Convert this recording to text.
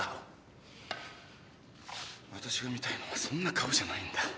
私が見たいのはそんな顔じゃないんだ。